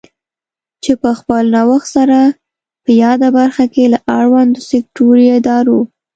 چې په خپل نوښت سره په یاده برخه کې له اړوندو سکټوري ادارو